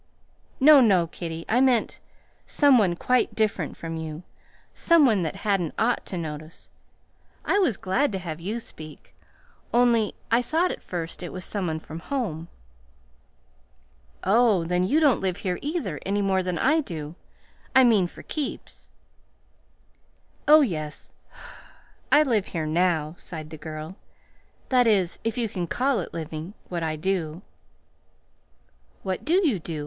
"No, no, kiddie! I meant some one quite different from you. Some one that hadn't ought to notice. I was glad to have you speak, only I thought at first it was some one from home." "Oh, then you don't live here, either, any more than I do I mean, for keeps." "Oh, yes, I live here now," sighed the girl; "that is, if you can call it living what I do." "What do you do?"